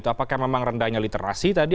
apakah memang rendahnya literasi tadi